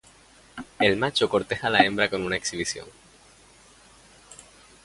El macho corteja a la hembra con una exhibición.